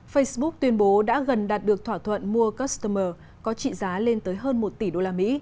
facebook tuyên bố đã gần đạt được thỏa thuận mua customer có trị giá lên tới hơn một tỷ usd